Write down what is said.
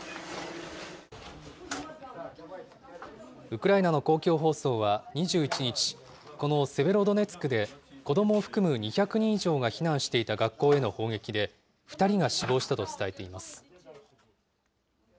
ウクライナの公共放送は２１日、このセベロドネツクで、子どもを含む２００人以上が避難していた学校への砲撃で、２人が死亡したと伝えています。